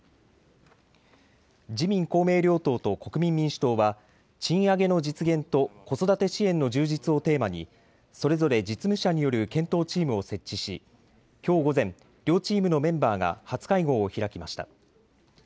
自民・公明両党と国民民主党は賃上げの実現と子育て支援の充実をテーマにそれぞれ実務者による検討チームを設置しきょう午前、両チームのメンバーが初会合を開きました。